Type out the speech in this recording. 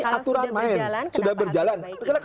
kalau sudah berjalan kenapa harus lebih baik